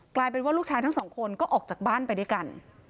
กลายเป็นว่าลูกชายทั้งสองคนก็ออกจากบ้านไปด้วยกัน